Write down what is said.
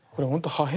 破片。